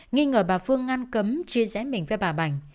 nghi ngờ bà phương ngăn cấm chia rẽ mình với bà bành